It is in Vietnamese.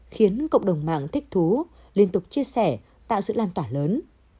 khiến cộng đồng mạng thích thú liên tục chia sẻ tạo sự lan tỏa lớn